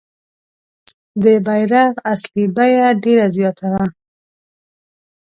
د بیرغ اصلي بیه ډېره زیاته وه.